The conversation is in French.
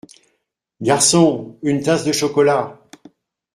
Garçon ! une tasse de chocolat !…